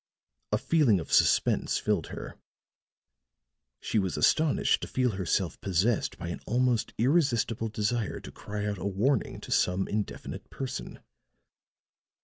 A feeling of suspense filled her; she was astonished to feel herself possessed by an almost irresistible desire to cry out a warning to some indefinite person.